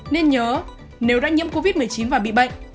nên nhớ nếu đã nhiễm covid một mươi chín và bị bệnh